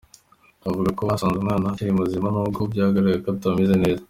Avuga ko basanze umwana akiri muzima, n’ubwo byagaragaraga ko atameze neza.